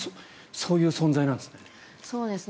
そういう存在なんですね。